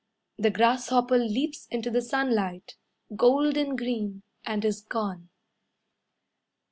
The grasshopper leaps into the sunlight, Golden green, And is gone.